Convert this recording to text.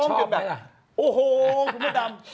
ชอบไหมล่ะ